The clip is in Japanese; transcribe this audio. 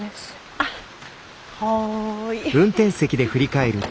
あっはい。